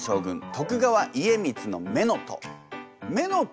徳川家光の乳母。